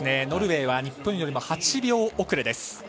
ノルウェーは日本よりも８秒遅れです。